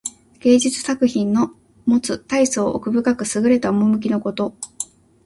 芸術作品のもつたいそう奥深くすぐれた趣のこと。